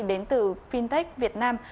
đến từ fintech việt nam